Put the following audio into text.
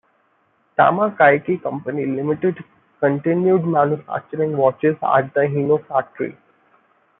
Tama Keiki Company, Limited continued manufacturing watches at the Hino Factory.